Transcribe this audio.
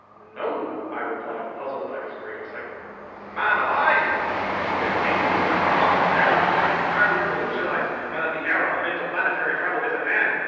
"No," I replied, puzzled by his great excitement. "Man alive," he cried, "it means that the problem of aerial flight is entirely revolutionized, and that the era of interplanetary travel is at hand!